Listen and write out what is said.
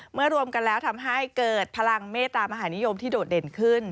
รวมกันแล้วทำให้เกิดพลังเมตามหานิยมที่โดดเด่นขึ้น